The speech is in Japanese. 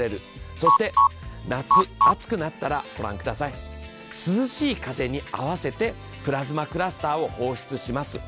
そして夏、暑くなったら涼しい風に合わせてプラズマクラスターを放出します。